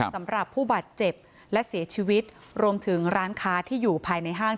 สำหรับผู้บาดเจ็บและเสียชีวิตรวมถึงร้านค้าที่อยู่ภายในห้าง